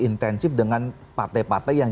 intensif dengan partai partai yang